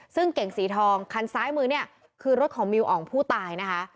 ซึ่งเก่งสีทองคันซ้ายมือเนี่ยคือรถของมิวอ่องผู้ตายนะคะ